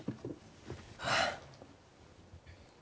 はあ。